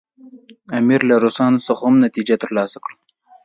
امیر له روسانو څخه هم نتیجه ترلاسه کړه.